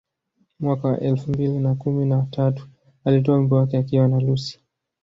Mwaka wa elfu mbili na kumi na tatu alitoa wimbo wake akiwa na Lucci